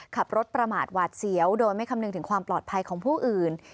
ขับรถประมาทหวาดเสียวโดยไม่คำนึงถึงความปลอดภัยของผู้อื่น